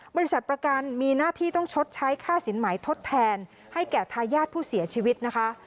บริษัทประกันมีหน้าที่ต้องชดใช้ค่าสินหมายทดแทนให้แก่ทายาทผู้เสียชีวิตนะคะ